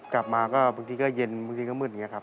กลับมาก็บางทีก็เย็นบางทีก็มืดอย่างนี้ครับ